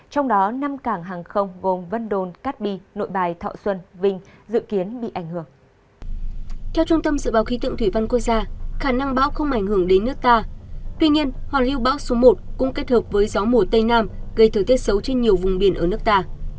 hòn lưu bão số một cũng kết hợp với gió mùa tây nam gây thời tiết xấu trên nhiều vùng biển ở nước ta